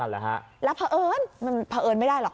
และเผเอิญแต่เผเอิญไม่ได้หรอก